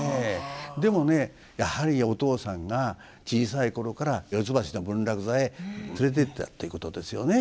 でもねやはりお父さんが小さい頃から四ツ橋の文楽座へ連れていったということですよね。